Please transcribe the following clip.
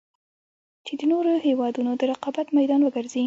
چـې د نـورو هېـوادونـو د رقـابـت مـيدان وګـرځـي.